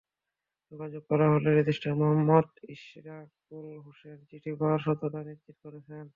যোগাযোগ করা হলে রেজিস্ট্রার মুহাম্মদ ইশফাকুল হোসেন চিঠি পাওয়ার সত্যতা নিশ্চিত করেছেন।